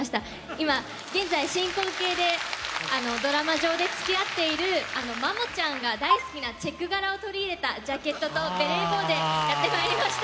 今現在進行形でドラマ上でつきあっているまもちゃんが大好きなチェック柄を取り入れたジャケットとベレー帽でやって参りました。